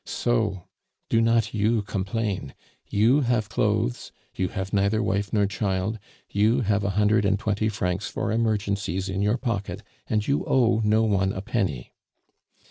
So do not you complain. You have clothes, you have neither wife nor child, you have a hundred and twenty francs for emergencies in your pocket, and you owe no one a penny.